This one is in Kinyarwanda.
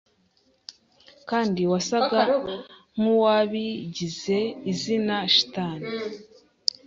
kandi wasaga nkuwabigize Izina Shitani